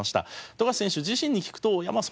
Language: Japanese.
富樫選手自身に聞くといやまあ